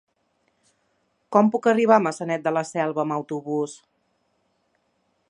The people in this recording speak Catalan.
Com puc arribar a Maçanet de la Selva amb autobús?